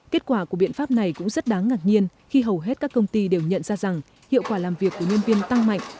kết quả của biện pháp này cũng rất đáng ngạc nhiên khi hầu hết các công ty đều nhận ra rằng hiệu quả làm việc của nhân viên tăng mạnh